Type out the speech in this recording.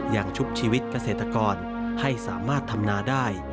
ชุบชีวิตเกษตรกรให้สามารถทำนาได้